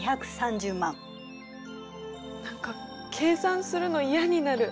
何か計算するの嫌になる。